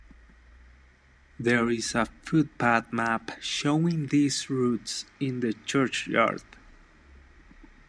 There is a footpath map showing these routes in the churchyard.